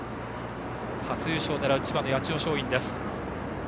初優勝を狙う千葉の八千代松陰。